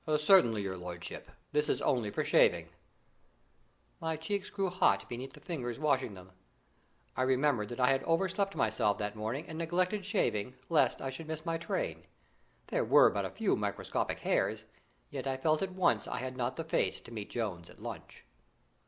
"Certainly, your lordship; this is only for shaving." My cheeks grew hot beneath the fingers washing them. I remembered that I had overslept myself that morning, and neglected shaving lest I should miss my train. There were but a few microscopic hairs, yet I felt at once I had not the face to meet Jones at lunch.